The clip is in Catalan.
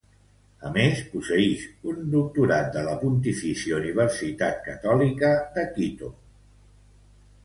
A més, posseïx un Doctorat de la Pontifícia Universitat Catòlica de Quito.